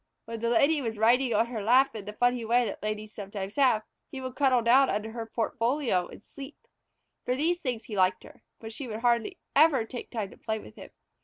When the Lady was writing on her lap in the funny way that Ladies sometimes have, he would cuddle down under her portfolio and sleep. For these things he liked her, but she would hardly ever take time to play with him.